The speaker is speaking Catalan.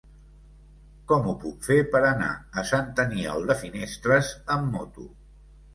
Com ho puc fer per anar a Sant Aniol de Finestres amb moto?